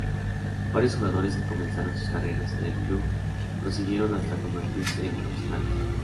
Varios jugadores que comenzaron sus carreras en el club prosiguieron hasta convertirse en profesionales.